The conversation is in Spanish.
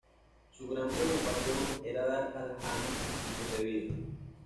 Su gran preocupación era dar a las almas principios de vida.